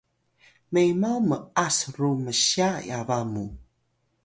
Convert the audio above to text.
memaw m’as ru msya yaba muw